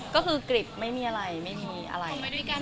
ก็คือกริบไม่มีอะไรไม่มีอะไร